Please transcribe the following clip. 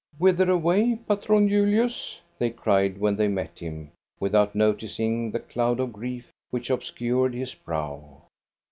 " Whither away. Patron Julius ?" they cried, when they met him, without noticing the cloud of grief which obscured his brow.